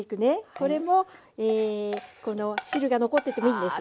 これもこの汁が残っててもいいんです。